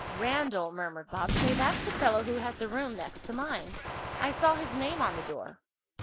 "Randell," murmured Bob. "Say, that's the fellow who has the room next to mine. I saw his name on the door."